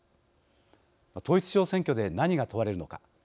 統一地方選挙で何が問われるのか。